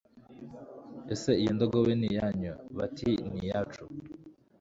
ese iyo ndogobe ni iyanyu Bati ni iyacu.